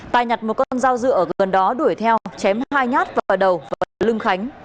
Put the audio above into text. tài nhặt một con dao dựa gần đó đuổi theo chém hai nhát vào đầu và lưng khánh